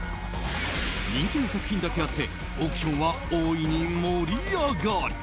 人気の作品だけあってオークションは大いに盛り上がり。